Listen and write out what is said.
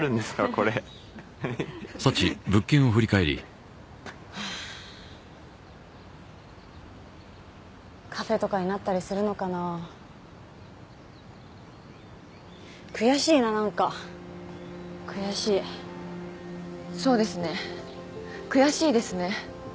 これふふっカフェとかになったりするのかな悔しいななんか悔しいそうですね悔しいですね